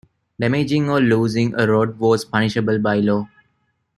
Damaging or losing a rod was punishable by law.